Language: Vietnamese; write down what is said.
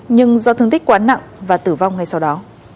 nhưng do thương tích quá nặng và tử vong ngay sau đó